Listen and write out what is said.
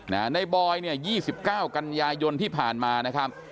นะฮะในบอยเนี่ยยี่สิบเก้ากัญญายนที่ผ่านมานะครับ